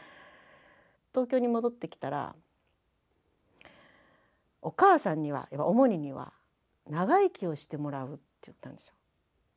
東京に戻ってきたらお母さんにはオモニには長生きをしてもらうって言ったんですよ。